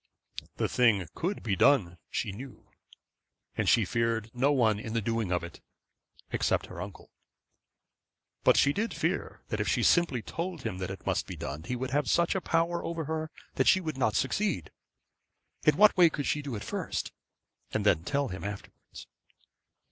The thing could be done, she know; and she feared no one in the doing of it, except her uncle. But she did fear that if she simply told him that it must be done, he would have such a power over her that she would not succeed. In what way could she do it first, and then tell him afterwards?